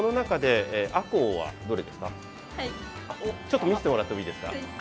ちょっと見してもらってもいいですか？